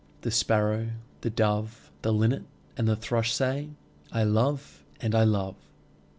The Sparrow, the Dove, The Linnet and Thrush say, 'I love and I love!'